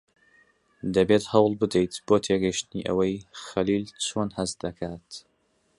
دەبێت هەوڵ بدەیت بۆ تێگەیشتنی ئەوەی خەلیل چۆن هەست دەکات.